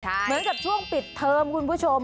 เหมือนกับช่วงปิดเทิมคุณผู้ชม